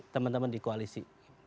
teman teman di koalisi